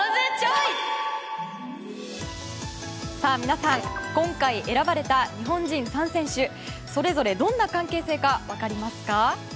皆さん、今回選ばれた日本人３選手それぞれどんな関係性か分かりますか？